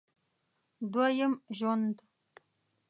دوه یم ژوند